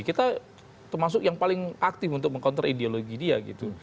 kita termasuk yang paling aktif untuk meng counter ideologi dia gitu